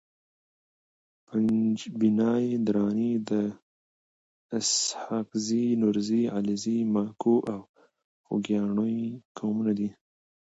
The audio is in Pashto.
پنجپاي دراني د اسحاقزي، نورزي، علیزي، ماکو او خوګیاڼي قومونو دي